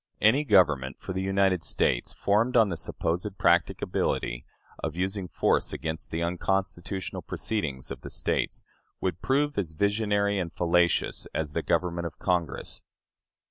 Any government for the United States, formed on the supposed practicability of using force against the unconstitutional proceedings of the States, would prove as visionary and fallacious as the government of Congress."